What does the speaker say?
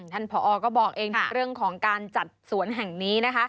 ท่านผอก็บอกเองเรื่องของการจัดสวนแห่งนี่นะครับ